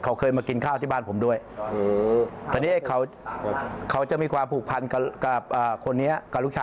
เขาเคยมากินข้าวที่บ้านผมด้วย